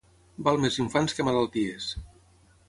Val més infants que malalties.